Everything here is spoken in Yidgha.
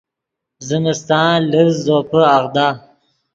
زمستان لڤز زوپے اغدا